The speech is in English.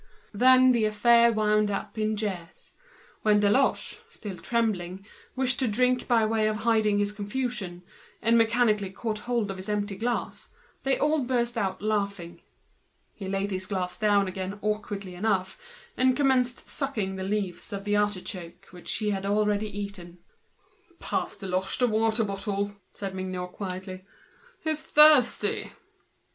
Then the affair wound up in jeers. When Deloche, still trembling, wished to drink to hide his confusion, and seized his empty glass mechanically, they burst out laughing. He laid his glass down again awkwardly, and commenced sucking the leaves of the artichoke he had already eaten. "Pass Deloche the water bottle," said Mignot, quietly; "he's thirsty."